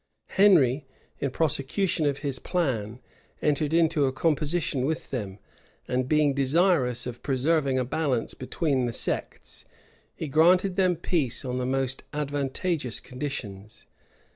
Henry, in prosecution of his plan, entered into a composition with them; and being desirous of preserving a balance between the sects, he granted them peace on the most advantageous conditions.